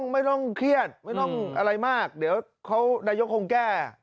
ไม่ต้องเครียดไม่ต้องอะไรมากเดี๋ยวนายกคงแก้